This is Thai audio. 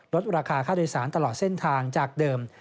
ลดราคาค่าโดยสารตลอดเส้นทางจากเดิม